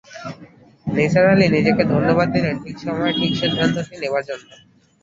নিসার আলি নিজেকে ধন্যবাদ দিলেন, ঠিক সময়ে ঠিক সিন্ধান্তটি নেবার জন্যে।